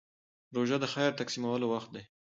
روژه د خیر تقسیمولو وخت دی.